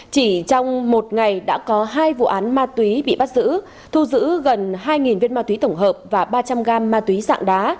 chỉ trong một ngày đã có hai vụ án ma túy bị bắt giữ thu giữ gần hai viên ma túy tổng hợp và ba trăm linh g ma túy dạng đá